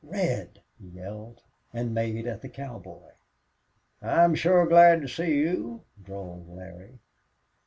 "Red!" he yelled, and made at the cowboy. "I'm shore glad to see you," drawled Larry.